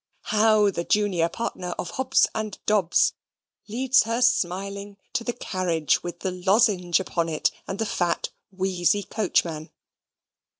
How the junior partner of Hobbs and Dobbs leads her smiling to the carriage with the lozenge upon it, and the fat wheezy coachman!